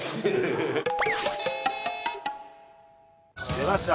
出ました。